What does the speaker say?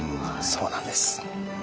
そうなんです。